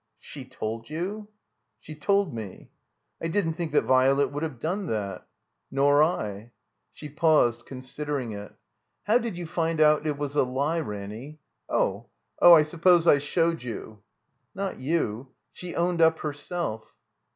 "She told you—?" "She told me." "I didn't think that Virelet would have done that." "Nor I." 327 THE COMBINED MAZE She paused, considering it. "How did you find out it was a Ke, Ranny? Oh — oh = I suppose I showed you —" "Not you. She owned up herself."